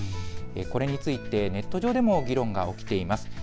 これについてネット上でも議論が起きています。